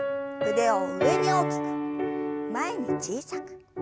腕を上に大きく前に小さく。